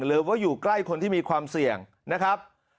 หรือว่าอยู่ใกล้คนที่มีความเสี่ยงนะครับ